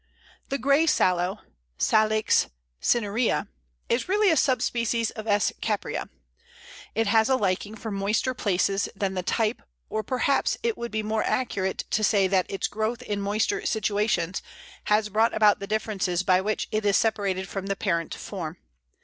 The Gray Sallow (Salix cinerea) is really a sub species of S. caprea. It has a liking for moister places than the type, or perhaps it would be more accurate to say that its growth in moister situations has brought about the differences by which it is separated from the parent form.